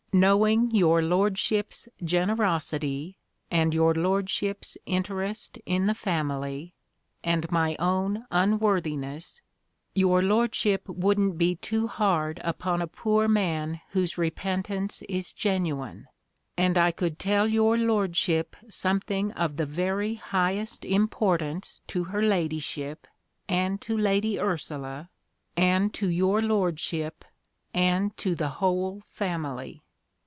"Knowing your lordship's generosity, and your lordship's interest in the family, and my own unworthiness, your lordship wouldn't be too hard upon a poor man whose repentance is genuine, and I could tell your lordship something of the very highest importance to her ladyship, and to Lady Ursula, and to your lordship, and to the whole family."